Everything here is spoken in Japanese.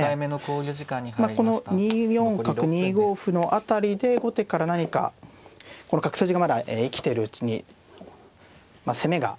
まあこの２四角２五歩の辺りで後手から何かこの角筋がまだ生きてるうちに攻めがあればいいんですけれどもね。